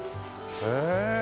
へえ。